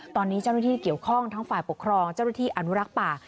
ตอนนี้เจ้าหน้าที่เกี่ยวข้องทั้งฝ่ายปกครองเจ้าหน้าที่อนุรักษ์ป่า